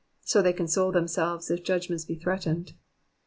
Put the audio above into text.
So they console themselves if judgments be threatened.